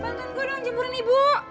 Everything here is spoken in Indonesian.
bantuin gue dong jemburin ibu